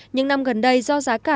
những năm gần đây do giá cao